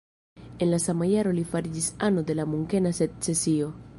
En la sama jaro li fariĝis ano de la Munkena Secesio.